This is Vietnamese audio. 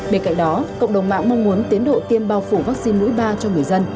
bên cạnh đó cộng đồng mạng mong muốn tiến độ tiêm bao phủ vaccine mũi ba cho người dân